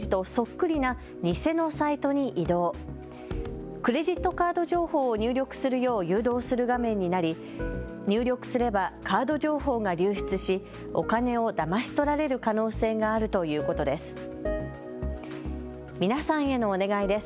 クレジットカード情報を入力するよう誘導する画面になり入力すればカード情報が流出しお金をだまし取られる可能性があるということです。